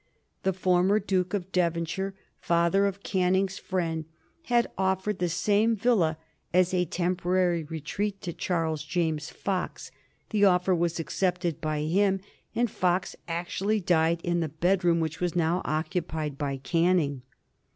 The former Duke of Devonshire, father of Canning's friend, had offered the same villa as a temporary retreat to Charles James Fox; the offer was accepted by him, and Fox actually died in the bedroom which was now occupied by Canning.